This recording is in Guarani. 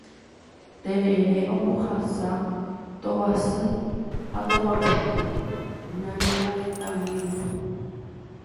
Terere ombohasa tovasy ha tovapuku ñañomongetami rupi.